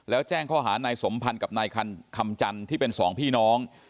แล้วแจ้งข้อหานายสมพันธ์กับนายคำจันทร์ที่เป็นสองพี่น้อง